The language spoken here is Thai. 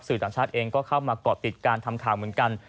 ต่างชาติเองก็เข้ามาเกาะติดการทำข่าวเหมือนกัน